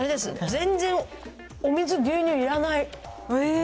全然、お水、牛乳いらない。